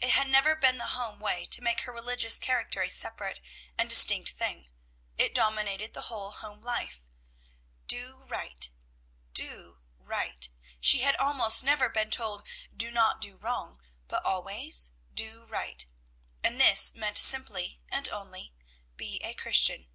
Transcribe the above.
It had never been the home way to make her religious character a separate and distinct thing. It dominated the whole home life. Do right, do right! She had almost never been told, do not do wrong, but always do right, and this meant simply and only, be a Christian.